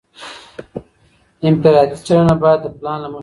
انفرادي څېړنه باید د پلان له مخي وي.